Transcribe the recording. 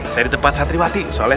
saya di tempat santriwati soalnya